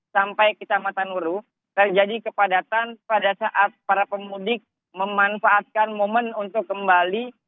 sampai kecamatan nguru terjadi kepadatan pada saat para pemudik memanfaatkan momen untuk kembali